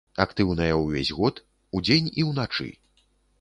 Актыўная ўвесь год, удзень і ўначы.